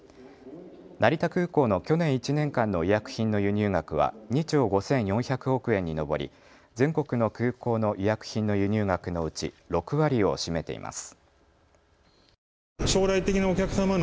成田空港の去年１年間の医薬品の輸入額は２兆５４００億円に上り全国の空港の医薬品の輸入額のうち６割を占めています。